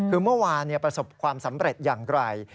คือเมื่อวานประสบความสำเร็จอย่างไกล